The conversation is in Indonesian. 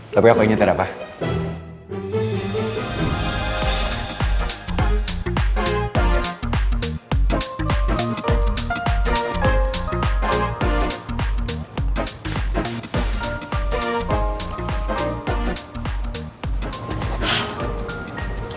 tapi aku ingatnya tidak pak